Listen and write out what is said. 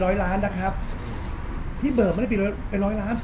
อ๋อผมว่าแล้วแต่ครับพี่เบิร์ตไม่ได้พีดไปร้อยล้านครับ